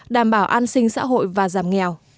đảm bảo an sinh xã hội và giảm nghèo